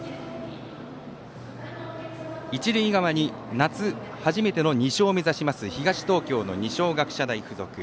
一塁側に夏初めての２勝を目指します東東京の二松学舎大付属。